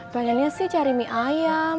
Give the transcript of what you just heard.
pengennya sih cari mie ayam